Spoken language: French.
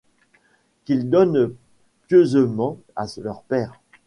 Qu'ils donnent pieusement à leur père.